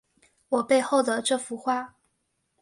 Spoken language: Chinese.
我背后的这幅画